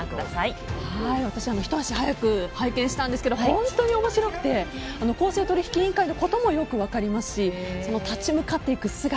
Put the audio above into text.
私、ひと足早く拝見したんですけど本当に面白くて公正取引委員会のこともよく分かりますし立ち向かっていく姿